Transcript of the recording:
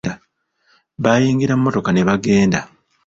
Baayingira mmotoka ne bagenda.